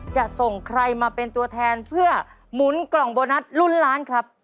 จะส่งใครมาเป็นตัวแทนเพื่อหมุนกล่องโบนัสลุ้นล้านครับ